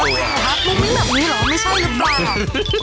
มุ่งมิ้งแบบนี้หรอไม่ใช่หรือเปล่า